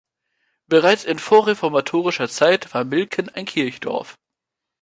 Bereits in vorreformatorischer Zeit war Milken ein Kirchdorf.